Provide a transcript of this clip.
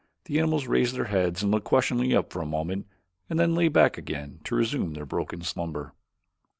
The animals raised their heads and looked questioningly up for a moment and then lay back again to resume their broken slumber.